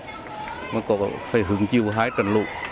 mà có phải hướng chiều hai trận lụt mà có phải hướng chiều hai trận lụt